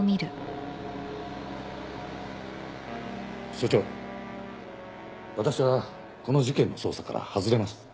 署長私はこの事件の捜査から外れます。